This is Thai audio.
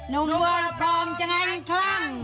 นมวันพร้อมจังห้านคลั่ง